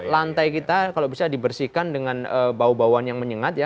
lantai kita kalau bisa dibersihkan dengan bau bauan yang menyengat ya